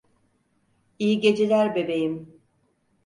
İyi geceler bebeğim.